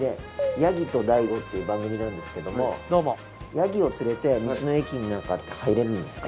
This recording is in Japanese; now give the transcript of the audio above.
『ヤギと大悟』っていう番組なんですけどもヤギを連れて道の駅の中って入れるんですか？